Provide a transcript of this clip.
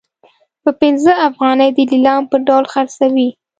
په پنځه افغانۍ د لیلام په ډول خرڅوي.